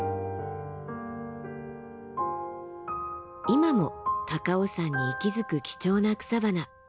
今も高尾山に息づく貴重な草花。